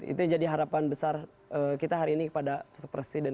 itu jadi harapan besar kita hari ini kepada sosok presiden